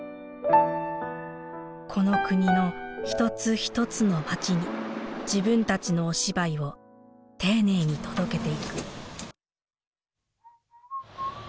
この国の一つ一つの街に自分たちのお芝居を丁寧に届けていく。